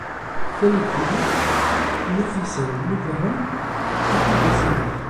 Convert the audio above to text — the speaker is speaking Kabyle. Tameddit-a, Nafisa n Ubeṛṛan ad d-teg asarag.